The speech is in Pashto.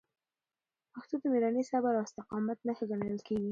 پښتو د میړانې، صبر او استقامت نښه ګڼل کېږي.